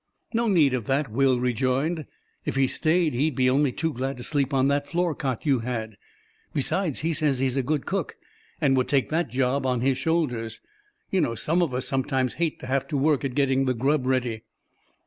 "No need of that," Will rejoined; "if he stayed he'd be only too glad to sleep on that floor cot you had. Besides, he says he's a good cook, and would take that job on his shoulders. You know some of us sometimes hate to have to work at getting the grub ready."